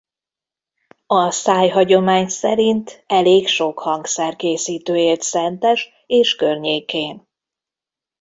A szájhagyomány szerint elég sok hangszerkészítő élt Szentes és környékén.